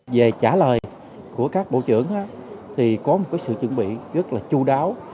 về trả lời của các bộ trưởng thì có một sự chuẩn bị rất là chú đáo